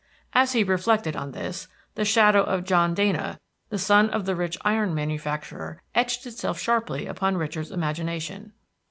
As he reflected on this, the shadow of John Dana, the son of the rich iron manufacturer, etched itself sharply upon Richard's imagination.